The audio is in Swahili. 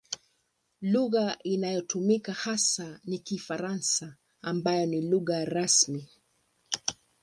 Lugha inayotumika hasa ni Kifaransa ambayo ni lugha rasmi.